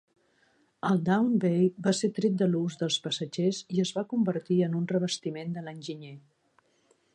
El Down Bay va ser tret de l'ús dels passatgers i es va convertir en un revestiment de l'enginyer.